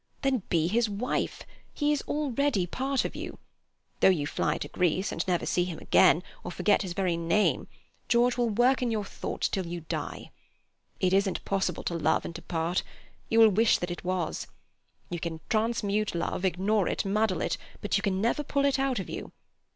Then be his wife. He is already part of you. Though you fly to Greece, and never see him again, or forget his very name, George will work in your thoughts till you die. It isn't possible to love and to part. You will wish that it was. You can transmute love, ignore it, muddle it, but you can never pull it out of you.